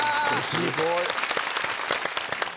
すごい！